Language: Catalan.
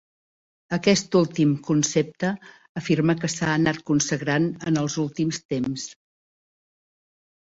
Aquest últim concepte afirma que s'ha anat consagrant en els últims temps.